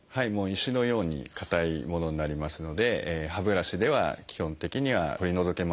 石のように硬いものになりますので歯ブラシでは基本的には取り除けません。